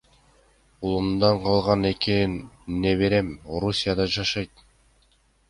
Улуумдан калган эки неберем Орусияда жашайт.